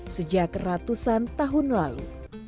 sejak ratusan tahun lalu